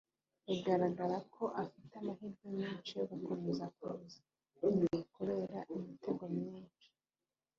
bigaragara ko ifite amahirwe menshi yo gukomeza kuza imbere kubera ibitego byinshi